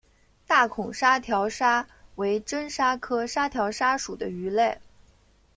大孔沙条鲨为真鲨科沙条鲨属的鱼类。